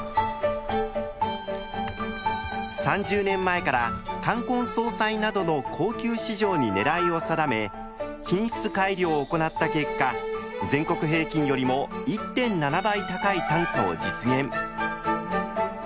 ３０年前から冠婚葬祭などの高級市場に狙いを定め品質改良を行った結果全国平均よりも１．７倍高い単価を実現。